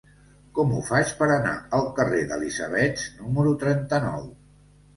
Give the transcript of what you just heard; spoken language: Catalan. Com ho faig per anar al carrer d'Elisabets número trenta-nou?